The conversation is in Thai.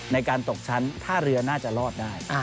ในการตกชั้นท่าเรือน่าจะรอดได้